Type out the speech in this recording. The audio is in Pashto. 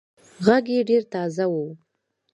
غږ يې ډېر تازه وو.